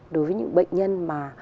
đối với những bệnh nhân mà